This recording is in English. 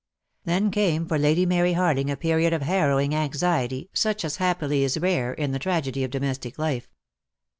Then came for Lady Mary Harling a period of harrowing anxiety such as happily is rare in the tragedy of domestic life.